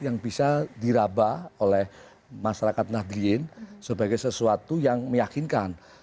yang bisa diraba oleh masyarakat nahdlin sebagai sesuatu yang meyakinkan